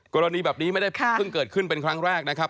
กรณีแบบนี้ไม่ได้เพิ่งเกิดขึ้นเป็นครั้งแรกนะครับ